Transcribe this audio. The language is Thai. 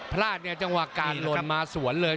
พลาดเนี่ยจังหวะการลนมาสวนเลย